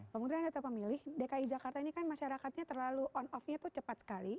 pemungutan data pemilih dki jakarta ini kan masyarakatnya terlalu on off nya tuh cepat sekali